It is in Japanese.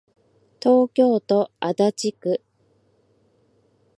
東京都足立区